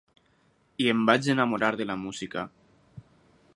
I em vaig enamorar de la música.